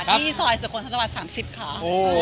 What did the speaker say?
ที่ซอยสุโคลนท์ธนวัน๓๐ค่ะ